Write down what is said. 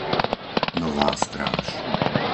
Nová Stráž